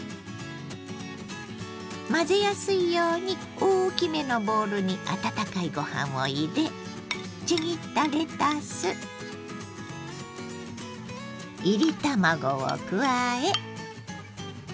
混ぜやすいように大きめのボウルに温かいご飯を入れちぎったレタスいり卵を加え。